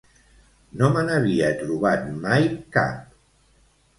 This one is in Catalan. No me n'havia trobat mai cap.